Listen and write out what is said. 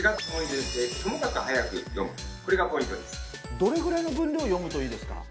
どれぐらいの分量読むといいですか？